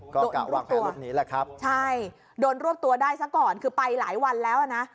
ก็กะวางตัวหลบหนีแหละครับใช่โดนรวบตัวได้ซะก่อนคือไปหลายวันแล้วอ่ะนะ